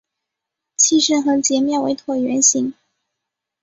器身横截面为椭圆形。